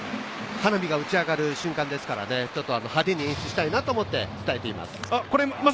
花火が打ち上がる瞬間ですからね、派手に演出したいなと思って伝えています。